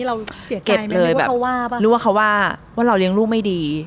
อย่างงี้เราเสียใจแม่นึกว่าเขาว่าปะนึกว่าเขาว่าว่าเราเลี้ยงลูกไม่ดี